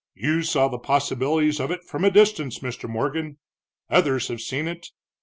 "You saw the possibilities of it from a distance, Mr. Morgan; others have seen it.